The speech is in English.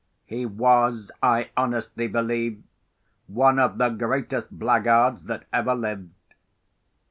He was, I honestly believe, one of the greatest blackguards that ever lived.